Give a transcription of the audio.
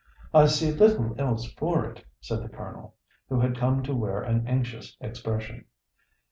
"I see little else for it," said the Colonel, who had come to wear an anxious expression.